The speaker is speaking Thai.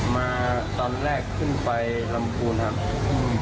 มาตอนแรกขึ้นไปลำพูนครับ